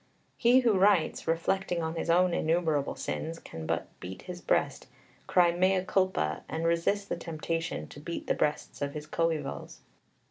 He who writes, reflecting on his own innumerable sins, can but beat his breast, cry Mea Culpa, and resist the temptation to beat the breasts of his coevals.